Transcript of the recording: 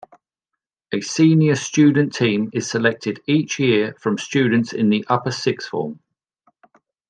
A Senior Student Team is selected each year from students in the Upper-Sixth form.